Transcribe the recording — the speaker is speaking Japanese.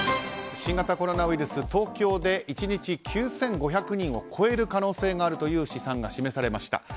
新型コロナウイルス、東京で１日９５００人を超える可能性があるという試算が示されました。